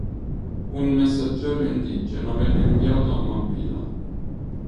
Un messaggero indigeno venne inviato a Mabila.